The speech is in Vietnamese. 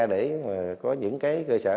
để có những cái cơ sở